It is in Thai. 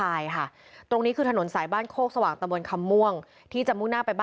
้าตอนแรกครับคือถามกันธรรมดานี่ละครับ